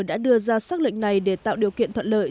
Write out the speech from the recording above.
đã đưa ra xác lệnh này để tạo điều kiện thuận lợi